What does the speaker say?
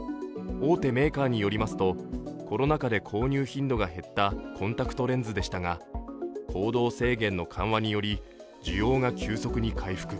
大手メーカーによりますとコロナ禍で購入頻度が減ったコンタクトレンズでしたが行動制限の緩和により需要が急速に回復。